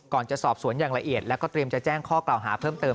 จะสอบสวนอย่างละเอียดแล้วก็เตรียมจะแจ้งข้อกล่าวหาเพิ่มเติม